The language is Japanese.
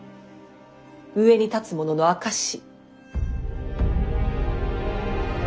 上に立つ者の証し。